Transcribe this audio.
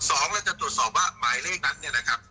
สองเราจะตรวจสอบว่าหมายเลขนั้นเนี่ยนะครับ